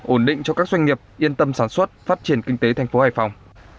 ổn định cho các doanh nghiệp yên tâm sản xuất phát triển kinh tế thành phố hải phòng